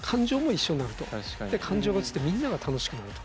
で感情が移ってみんなが楽しくなると。